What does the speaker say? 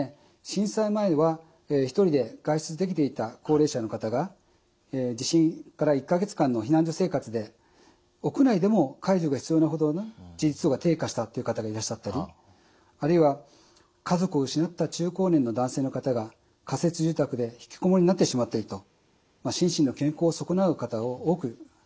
震災前は１人で外出できていた高齢者の方が地震から１か月間の避難所生活で屋内でも介助が必要なほど自立度が低下したという方がいらっしゃったりあるいは家族を失った中高年の男性の方が仮設住宅でひきこもりになってしまったりと心身の健康を損なう方を多く拝見してきました。